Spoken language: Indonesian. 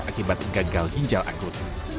akibat gagal ginjal akut